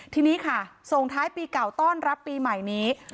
ทีนี้ค่ะส่งท้ายปีเก่าต้อนรับปีใหม่นี้